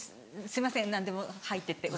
すいません何でも入ってって。